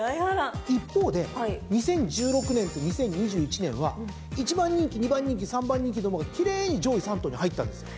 一方で２０１６年と２０２１年は１番人気２番人気３番人気の馬が奇麗に上位３頭に入ったんですよ。